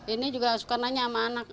ini juga suka nanya sama anak